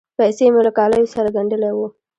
پیسې مې له کالیو سره ګنډلې وې.